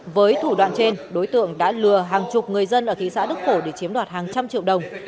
với thủ đoạn trên đối tượng đã lừa hàng chục người dân ở thị xã đức phổ để chiếm đoạt hàng trăm triệu đồng